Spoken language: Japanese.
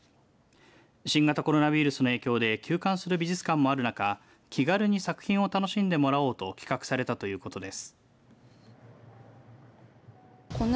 新型コロナウイルスの影響で休館する美術館もある中気軽に作品を楽しんでもらおうと企画されたということです。